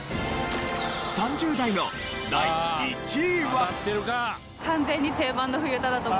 ３０代の第１位は。